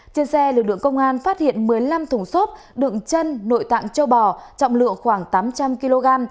trên xe lực lượng công an phát hiện một mươi năm thùng xốp đựng chân nội tạng châu bò trọng lượng khoảng tám trăm linh kg